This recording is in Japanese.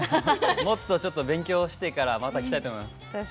もっと勉強してからまた来たいと思います。